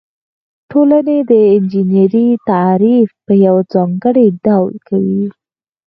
ټولنې د انجنیری تعریف په یو ځانګړي ډول کوي.